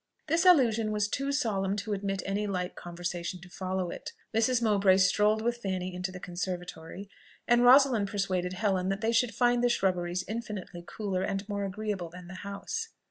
This allusion was too solemn to admit any light conversation to follow it. Mrs. Mowbray strolled with Fanny into the conservatory, and Rosalind persuaded Helen that they should find the shrubberies infinitely cooler and more agreeable than the house.